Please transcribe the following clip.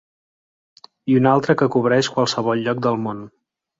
I una altra que cobreix qualsevol lloc del món.